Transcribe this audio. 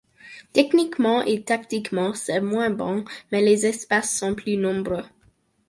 Techniquement et tactiquement, c’est moins bon, mais les espaces sont plus nombreux.